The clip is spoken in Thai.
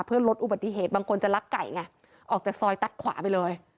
เพื่อลดอุบัติเหตุบางคนจะลักไก่ไงออกจากซอยตัดขวาไปเลย